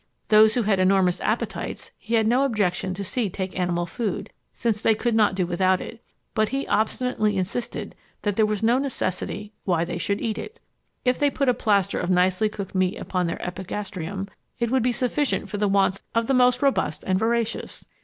Those who had enormous appetites, he had no objection to see take animal food, since they could not do without it; but he obstinately insisted that there was no necessity why they should eat it. If they put a plaster of nicely cooked meat upon their epigastrium, it would be sufficient for the wants of the most robust and voracious!